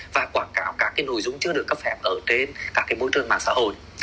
và quảng cáo các nội dung chưa được cấp phép ở trên các môi trường mạng xã hội